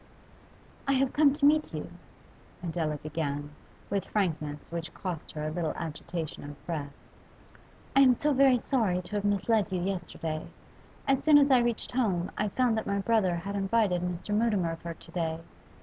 'I have come to meet you,' Adela began, with frankness which cost her a little agitation of breath. 'I am so very sorry to have misled you yesterday. As soon as I reached home, I found that my brother had invited Mr. Mutimer for to day.